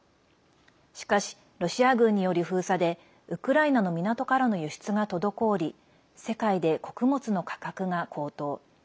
しかし、ロシア軍による封鎖でウクライナの港からの輸出が滞り世界で穀物の価格が高騰。